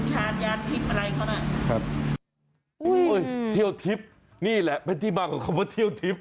ทอดยานทริปอะไรก็น่ะครับอุ้ยเที่ยวทริปนี่แหละเป็นที่มากกว่าเขามาเที่ยวทริป